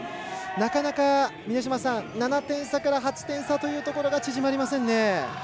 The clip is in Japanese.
なかなか７点差から８点差が縮まりませんね。